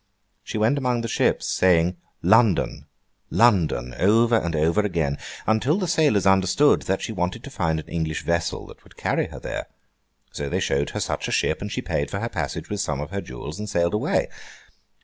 She went among the ships, saying, 'London! London!' over and over again, until the sailors understood that she wanted to find an English vessel that would carry her there; so they showed her such a ship, and she paid for her passage with some of her jewels, and sailed away.